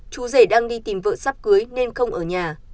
chú rể đang đi tìm vợ sắp cưới nên không ở nhà